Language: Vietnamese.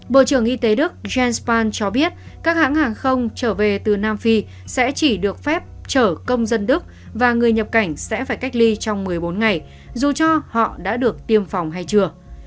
bộ trưởng y tế đức jens span cho biết các hãng hàng không trở về từ nam phi sẽ chỉ được phép chở công dân đức và người nhập cảnh sẽ phải cách ly trong một mươi bốn ngày dù cho họ đã được tiêm phòng hay chưa